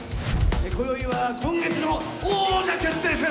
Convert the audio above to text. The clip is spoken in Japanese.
今宵は今月の王者決定戦！